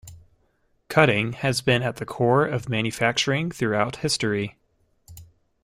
Cutting has been at the core of manufacturing throughout history.